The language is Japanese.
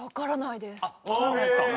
あっわからないですか。